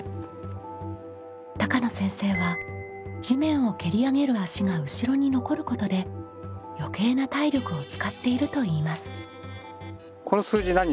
高野先生は地面を蹴り上げる足が後ろに残ることで余計な体力を使っていると言います。